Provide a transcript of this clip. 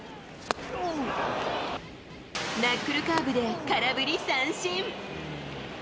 ナックルカーブで空振り三振。